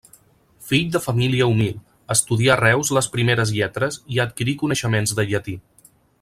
Fill de família humil, estudià a Reus les primeres lletres i adquirí coneixements de llatí.